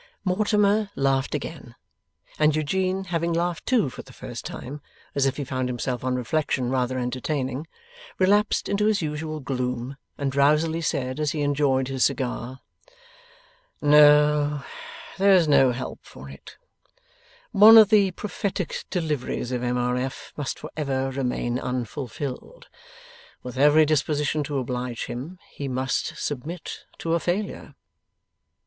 Mortimer laughed again, and Eugene, having laughed too for the first time, as if he found himself on reflection rather entertaining, relapsed into his usual gloom, and drowsily said, as he enjoyed his cigar, 'No, there is no help for it; one of the prophetic deliveries of M. R. F. must for ever remain unfulfilled. With every disposition to oblige him, he must submit to a failure.